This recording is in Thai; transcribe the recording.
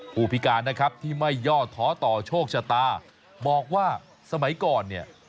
ผู้พิการที่ไม่ยอดท้อต่อโชคชะตาบอกว่าสมัยก่อน